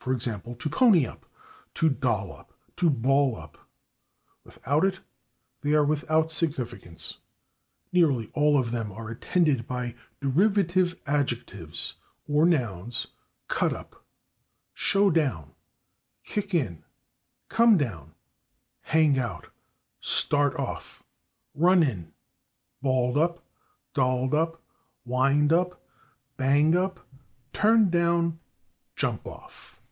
g./, /to pony up/, /to doll up/, /to ball up/; without it they are without significance. Nearly all of them are attended by derivative adjectives or nouns; /cut up/, /show down/, /kick in/, /come down/, /hang out/, /start off/, /run in/, /balled up/, /dolled up/, /wind up/, /bang up/, /turn down/, /jump off